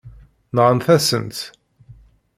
Nɣant-asen-t.